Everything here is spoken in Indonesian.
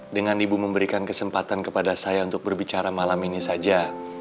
dengan ibu memberikan kesempatan kepada saya untuk berbicara malam ini saja